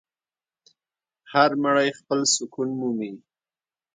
هر مړی خپل سکون مومي.